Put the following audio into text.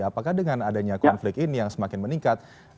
apakah dengan adanya konflik ini yang semakin meningkat